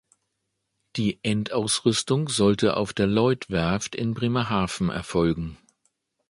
Die Endausrüstung soll auf der Lloyd Werft in Bremerhaven erfolgen.